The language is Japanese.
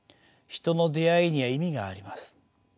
人の出会いには意味があります。